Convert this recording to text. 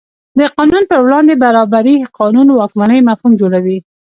د قانون په وړاندې برابري قانون واکمنۍ مفهوم جوړوي.